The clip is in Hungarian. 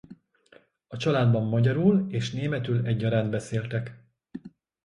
A családban magyarul és németül egyaránt beszéltek.